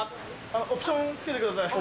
オプション付けてください。